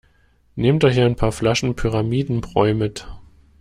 Nehmt euch ein paar Flaschen Pyramidenbräu mit!